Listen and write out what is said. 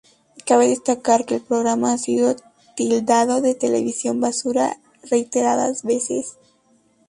Cabe destacar que el programa ha sido tildado de televisión basura reiteradas veces.